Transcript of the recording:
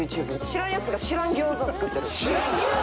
知らん奴が知らん餃子作ってる。